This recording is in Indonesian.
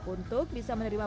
untuk bisa menerima